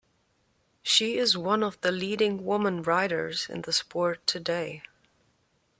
She is one of the leading woman riders in the sport today.